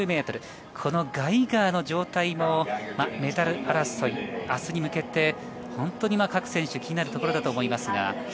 このガイガーの状態もメダル争い、明日に向けて、本当に各選手、気になるところだと思います。